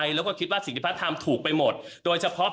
ทำอะไรแล้วก็คิดว่าสิ่งที่พระธรรมทำถูกไปหมด